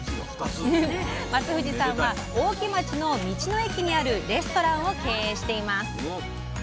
松藤さんは大木町の道の駅にあるレストランを経営しています。